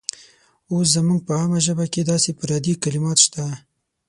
اوس زموږ په عامه ژبه کې داسې پردي کلمات شته.